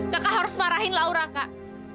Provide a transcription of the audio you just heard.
kakak harus marahin laura kak